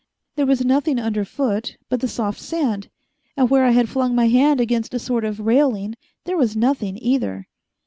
There was nothing underfoot but the soft sand, and where I had flung my hand against a sort of railing, there was nothing either.